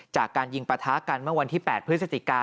จากการยิงประทะกันเมื่อวันที่๘พฤศจิกา